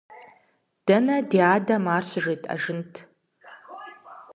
Дэнэ ди адэм ар щыжетӀэжынт!